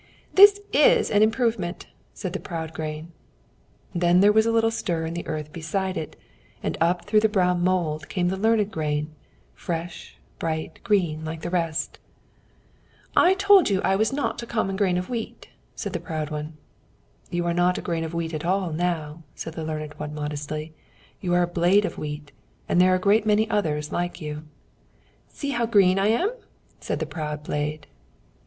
"This is an improvement," said the proud grain. Then there was a little stir in the earth beside it, and up through the brown mould came the learned grain, fresh, bright, green, like the rest. "I told you I was not a common grain of wheat," said the proud one. "You are not a grain of wheat at all now," said the learned one, modestly. "You are a blade of wheat, and there are a great many others like you." "See how green I am!" said the proud blade.